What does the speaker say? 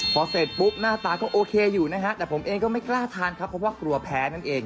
พอเสร็จปุ๊บหน้าตาก็โอเคอยู่นะฮะแต่ผมเองก็ไม่กล้าทานครับเพราะว่ากลัวแพ้นั่นเอง